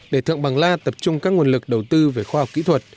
để thượng bằng la tập trung các nguồn lực đầu tư về khoa học kỹ thuật